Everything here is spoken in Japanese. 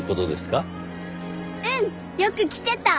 うん！よく来てた。